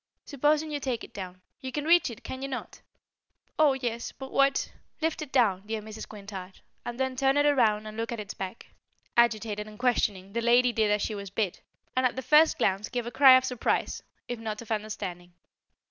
"Supposing you take it down. You can reach it, can you not?" "Oh, yes. But what " "Lift it down, dear Mrs. Quintard; and then turn it round and look at its back." Agitated and questioning, the lady did as she was bid, and at the first glance gave a cry of surprise, if not of understanding.